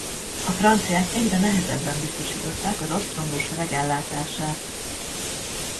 A franciák egyre nehezebben biztosították az ostromló sereg ellátását.